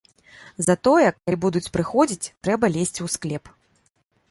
Затое, калі будуць прыходзіць, трэба лезці ў склеп.